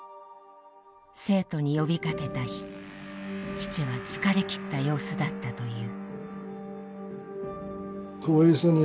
生徒に呼びかけた日父は疲れ切った様子だったという。